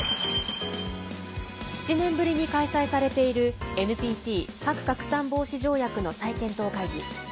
７年ぶりに開催されているＮＰＴ＝核不拡散条約の再検討会議。